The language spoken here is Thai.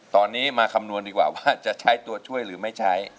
ตอนนี้มาคำนวณดีกว่าว่าจะใช้ตัวช่วยหรือไม่ใช้